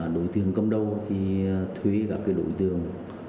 đối tượng cầm đầu thì thuê các đối tượng